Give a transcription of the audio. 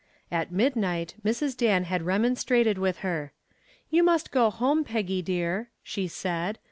At midnight Mrs. Dan had remonstrated with her. "You must go home, Peggy, dear," she said.